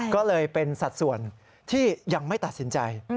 ก็เลยเป็นสัดส่วนที่ยังไม่ตัดสินใจ